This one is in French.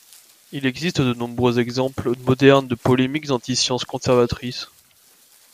Il existe de nombreux exemples modernes de polémiques anti-science conservatrices.